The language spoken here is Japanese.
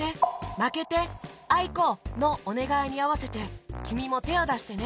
「まけて」「あいこ」のおねがいにあわせてきみもてをだしてね！